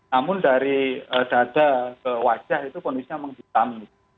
namun dari dada ke wajah itu kondisinya menghitam